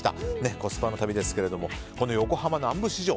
コスパの旅ですけれどもこの横浜南部市場。